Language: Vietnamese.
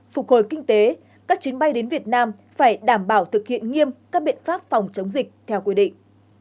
phục hồi kinh tế các chuyến bay đến việt nam phải đảm bảo thực hiện nghiêm các biện pháp phòng chống dịch theo quy định